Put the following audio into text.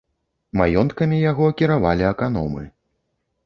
Маёнткамі яго кіравалі аканомы.